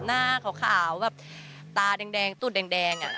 หน้าขาวแบบตาแดงตุดแดง